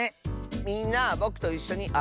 みんなぼくといっしょにあてようね。